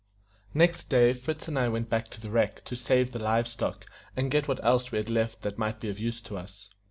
Next day Fritz and I went back to the wreck to save the live stock, and get what else we had left that might be of use to us.